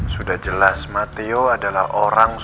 sudah jelas matio adalah orang sukses